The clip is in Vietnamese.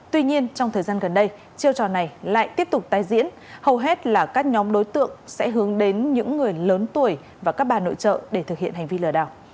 tuy nhiên trong thời gian gần đây chiêu trò này lại tiếp tục tái diễn hầu hết là các nhóm đối tượng sẽ hướng đến những người lớn tuổi và các bà nội trợ để thực hiện hành vi lừa đảo